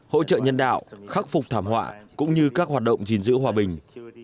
hỗ trợ nhân đạo khắc phục thảm họa cũng như các hoạt động gìn giữ hòa bình